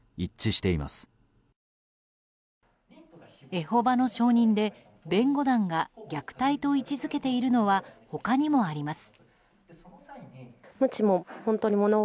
エホバの証人で、弁護団が虐待と位置付けているのは他にもあります。